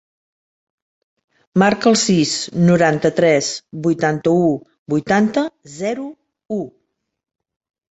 Marca el sis, noranta-tres, vuitanta-u, vuitanta, zero, u.